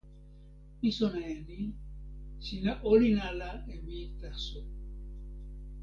mi sona e ni: sina olin ala e mi taso.